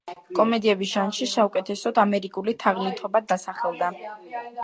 კომედიების ჟანრში საუკეთესოდ „ამერიკული თაღლითობა“ დასახელდა.